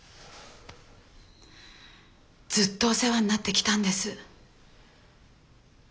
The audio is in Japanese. ずっとお世話になってきたんです。